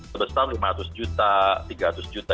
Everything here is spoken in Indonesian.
sebesar lima ratus juta tiga ratus juta